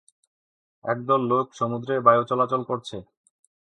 একদল লোক সমুদ্রে বায়ুচলাচল করছে।